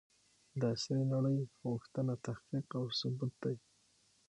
د عصري نړۍ غوښتنه تحقيق او ثبوت دی.